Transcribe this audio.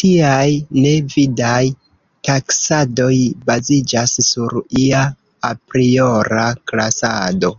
Tiaj ne vidaj taksadoj baziĝas sur ia apriora klasado.